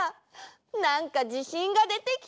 なんかじしんがでてきた！